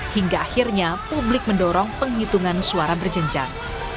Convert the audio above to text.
hingga akhirnya publik mendorong penghitungan suara berjenjang